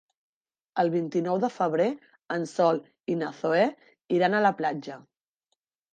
El vint-i-nou de febrer en Sol i na Zoè iran a la platja.